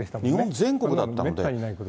日本全国だったので。